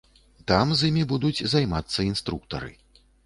Там з імі будуць займацца інструктары.